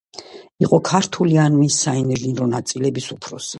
იყო ქართული არმიის საინჟინრო ნაწილების უფროსი.